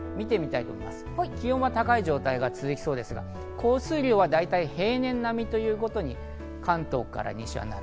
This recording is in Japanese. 気温が高い状態が続きそうですが、降水量は大体平年並みということに関東から西はなる。